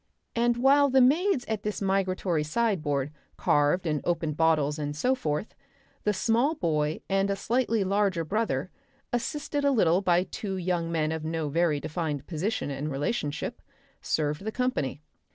And while the maids at this migratory sideboard carved and opened bottles and so forth, the small boy and a slightly larger brother, assisted a little by two young men of no very defined position and relationship, served the company.